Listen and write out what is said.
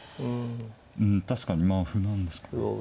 確かに歩なんですけど。